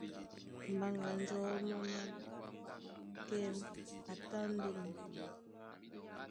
Mbaŋganjɔ̌ mɔ́ ná: Kɛ́m a tá ndé moto.